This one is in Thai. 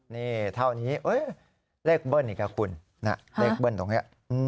นี่เท่านี้เลขเบิ้ลอีกคุณเลขเบิ้ลตรงนี้